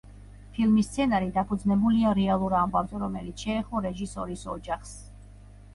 ფილმის სცენარი დაფუძნებულია რეალურ ამბავზე, რომელიც შეეხო რეჟისორის ოჯახს.